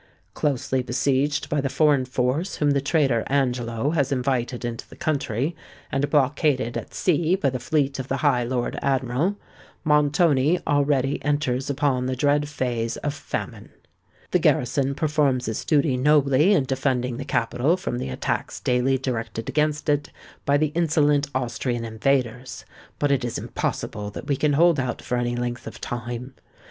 Closely besieged by the foreign force whom the traitor Angelo has invited into the country, and blockaded at sea by the fleet of the Lord High Admiral, Montoni already enters upon the dread phase of famine. The garrison performs its duty nobly in defending the capital from the attacks daily directed against it by the insolent Austrian invaders; but it is impossible that we can hold out for any length of time.